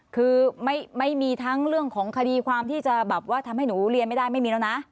คือไม่มีทั้งเรื่องของคดีความที่จะแบบว่าทำให้หนูเรียนไม่ได้ไม่มีแล้วนะ